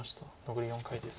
残り４回です。